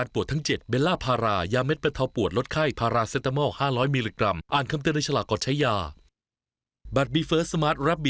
โปรดติดตามตอนต่อไป